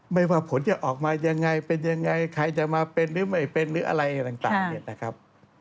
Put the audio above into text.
ไม่ว่าผลจะออกมายังไงเป็นยังไงใครจะมาเป็นหรือไม่เป็นหรืออะไรต่างเนี่ยนะครับ